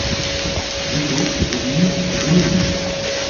Routot, Rouville, Rouxmesnil.